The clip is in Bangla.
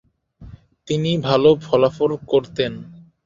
তিনি ভালো ফলাফল করতেন।